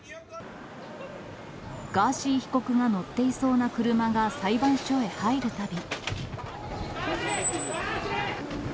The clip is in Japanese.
ガーシー被告が乗っていそうな車が裁判所へ入るたび。